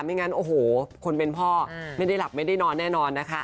งั้นโอ้โหคนเป็นพ่อไม่ได้หลับไม่ได้นอนแน่นอนนะคะ